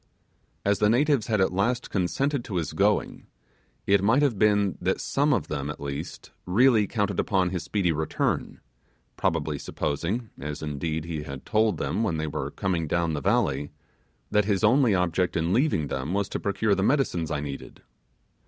As the natives had at last consented to his going, it might have been, that some of them, at least, really counted upon his speedy return; probably supposing, as indeed he had told them when they were coming down the valley, that his only object in leaving them was to procure the medicines I needed.